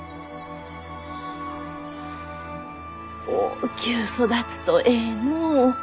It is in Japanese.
大きゅう育つとえいのう。